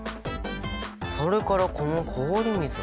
それからこの氷水は。